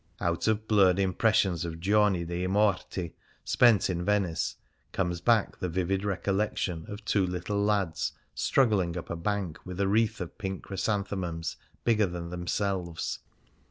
Out of blurred impressions of Giorni del Morti spent in Venice, comes back the vivid recollec tion of two little lads struggling up a bank with a wreath of pink chrysanthemums bigger than themselves.